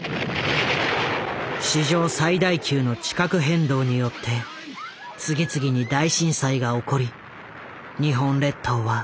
史上最大級の地殻変動によって次々に大震災が起こり日本列島は丸ごと